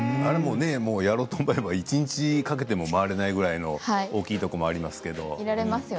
やろうと思えば一日かけても回れないぐらいの大きいところもありますけれども。